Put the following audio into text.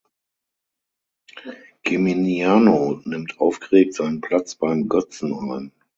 Geminiano nimmt aufgeregt seinen Platz beim Götzen ein.